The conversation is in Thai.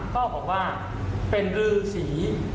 ค่าบอกว่าเป็นรื้อศรี